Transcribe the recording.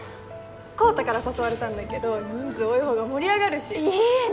コータから誘われたんだけど人数多い方が盛り上がるしいいね